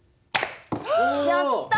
やった！